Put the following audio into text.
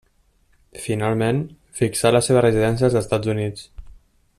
Finalment fixà la seva residència als Estats Units.